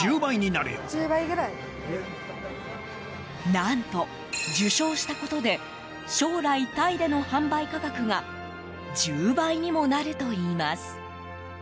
何と受賞したことで将来、タイでの販売価格が１０倍にもなるといいます。